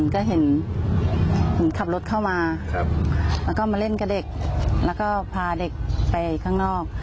ก็เห็นขับรถเข้ามาแล้วก็มาเล่นกับเด็กแล้วก็พาเด็กไปข้างนอก